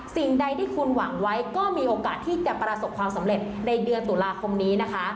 สิ่งใดที่คุณหวังไว้ก็มีโอกาสที่จะประสบความสำเร็จในเดือนตุลาคมนี้นะคะ